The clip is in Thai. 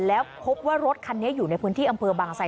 แล้วพบว่ารถคันนี้อยู่ในพื้นที่อำเภอบางไซ